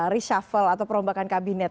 reshuffle atau perombakan kabinet